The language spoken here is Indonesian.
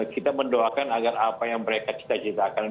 kita mendoakan agar apa yang mereka cita citakan